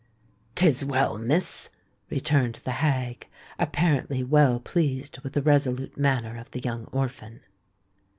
"'Tis well, Miss," returned the hag, apparently well pleased with the resolute manner of the young orphan.